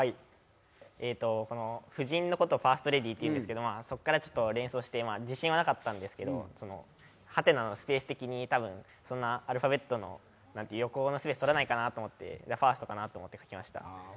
夫人のことをファーストレディーというんですけど、そこから連想して自信はなかったんですけど？のスペース的に多分そんなにアルファベットの横のスペース取らないかなと思ってファーストかなと思って書きました。